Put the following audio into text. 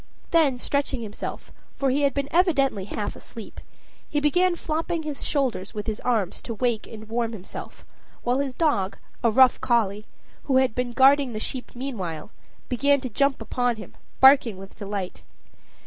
Then, stretching himself, for he had been evidently half asleep, he began flopping his shoulders with his arms to wake and warm himself; while his dog, a rough collie, who had been guarding the sheep meanwhile, began to jump upon him, barking with delight.